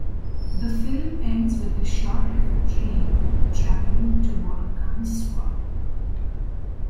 The film ends with a shot of a train traveling toward Kamisuwa.